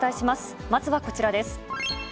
まずはこちらです。